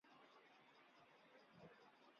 苏克现在是克罗地亚足协主席。